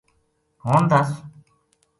ہن دس